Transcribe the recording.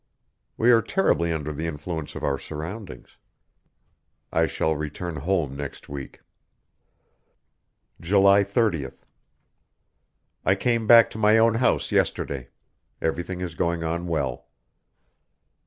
We are terribly under the influence of our surroundings. I shall return home next week. Frog island. July 30th. I came back to my own house yesterday. Everything is going on well.